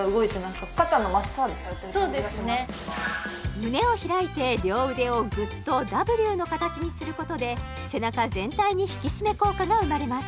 胸を開いて両腕をグッとＷの形にすることで背中全体に引き締め効果が生まれます